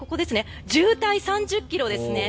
渋滞３０ｋｍですね。